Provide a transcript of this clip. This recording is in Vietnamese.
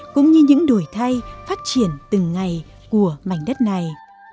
cũng như những đổi thay phát triển từng ngày của mảnh đất này